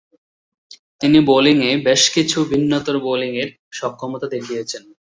তিনি বোলিংয়ে বেশকিছু ভিন্নতর বোলিংয়ে সক্ষমতা দেখিয়েছেন।